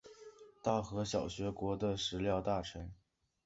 大和小学国的食料大臣。